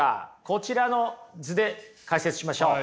こちらの図で解説しましょう。